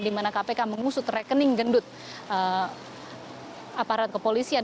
di mana kpk mengusut rekening gendut aparat kepolisian